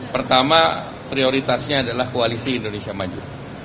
pertama prioritasnya adalah koalisi indonesia maju